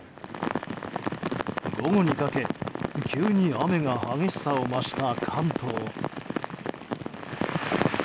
午後にかけ急に雨が激しさを増した関東。